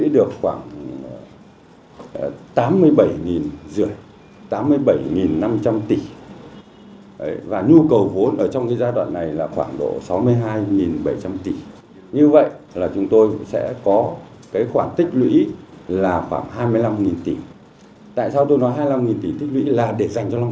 đầu tư hoàn toàn bằng vốn vay ngân hàng